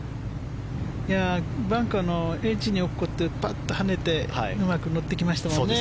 バンカーのエッジに落っこちてバッと跳ねてうまく乗ってきましたもんね。